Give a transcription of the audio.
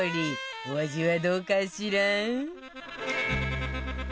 お味はどうかしら？